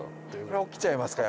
起きちゃいますか？